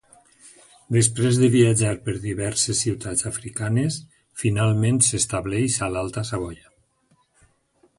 Després de viatjar per diverses ciutats africanes, finalment s'estableix a l'Alta Savoia.